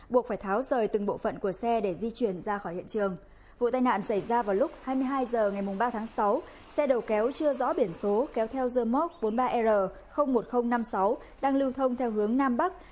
buộc phải tháo rời từng bộ phận của xe để di chuyển ra khỏi hiện trường vụ tai nạn xảy ra vào lúc hai mươi hai h ngày ba tháng sáu xe đầu kéo chưa rõ biển số kéo theo dơ móc bốn mươi ba r một nghìn năm mươi sáu đang lưu thông theo hướng nam bắc